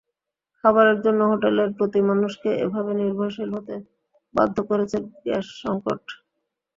খাবারের জন্য হোটেলের প্রতি মানুষকে এভাবে নির্ভরশীল হতে বাধ্য করেছে গ্যাস-সংকট।